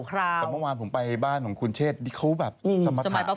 ตอนเมื่อวานผมไปบ้านของคุณเชศเค้าแบบสมัครมาก